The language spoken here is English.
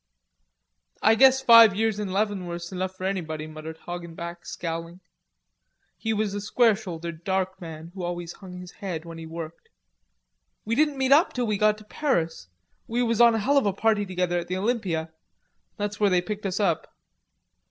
"I guess five years in Leavenworth's enough for anybody," muttered Hoggenback, scowling. He was a square shouldered dark man, who always hung his head when he worked. "We didn't meet up till we got to Paris; we was on a hell of a party together at the Olympia. That's where they picked us up.